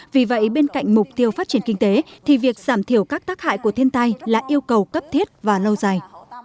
vì vậy bên cạnh mục tiêu phát triển kinh tế thì việc giảm thiểu các tác hại của thiên tai là yêu cầu cấp thiết và lâu dài